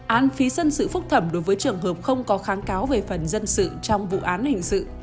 án phí dân sự phúc thẩm đối với trường hợp không có kháng cáo về phần dân sự trong vụ án hình sự